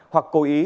hoặc cố ý